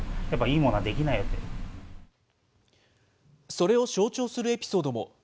それを象徴するエピソードも。